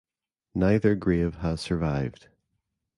Neither grave has survived.